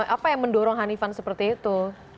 apa yang mendorong hanifan seperti itu